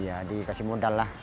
iya dikasih modal lah